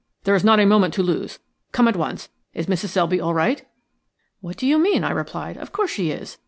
"There is not a moment to lose. Come at once. Is Mrs. Selby all right?" "What do you mean?" I replied. "Of course she is.